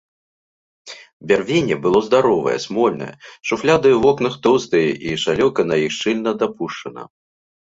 Бярвенне было здаровае, смольнае, шуфляды ў вокнах тоўстыя і шалёўка на іх шчыльна дапушчана.